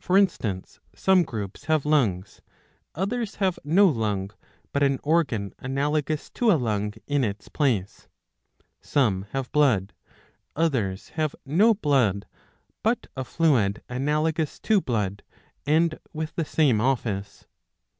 For instance, some groups have lungs, others have no lung, but an organ analogous to a lung in its place ; some have blood, others have no blood, but a fluid analogous to blood, and with the same office.